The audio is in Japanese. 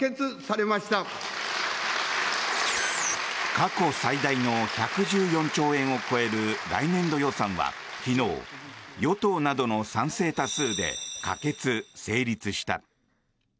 過去最大の１１４兆円を超える来年度予算は昨日、与党などの賛成多数で可決・成立した。